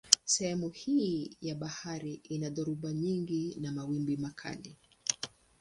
Sehemu hii ya bahari ina dhoruba nyingi na mawimbi makali.